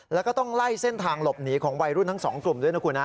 แล้วก็ต้องไล่เส้นทางหลบหนีของวัยรุ่นทั้งสองกลุ่มด้วยนะคุณฮะ